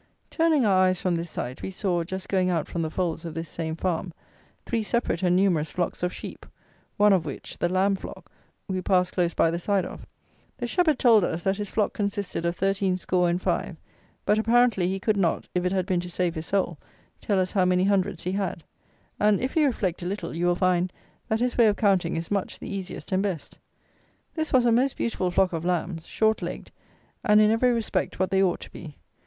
Turning our eyes from this sight, we saw, just going out from the folds of this same farm, three separate and numerous flocks of sheep, one of which (the lamb flock) we passed close by the side of. The shepherd told us, that his flock consisted of thirteen score and five; but, apparently, he could not, if it had been to save his soul, tell us how many hundreds he had: and, if you reflect a little, you will find, that his way of counting is much the easiest and best. This was a most beautiful flock of lambs; short legged, and, in every respect, what they ought to be.